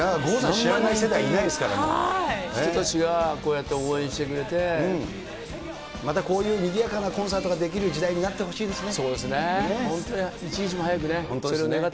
知らない世代、人たちがこうやって応援してまたこういうにぎやかなコンサートができる時代になってほしいですね。